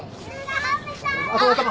頭頭。